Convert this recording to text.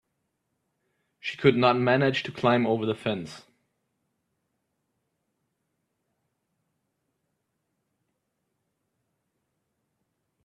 She could not manage to climb over the fence.